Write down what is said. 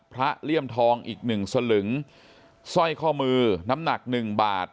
พระเลี่ยมทองอีก๑สลึงสร้อยข้อมือน้ำหนัก๑บาท